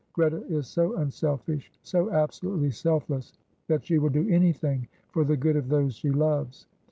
Greta is so unselfish, so absolutely self less, that she will do anything for the good of those she loves.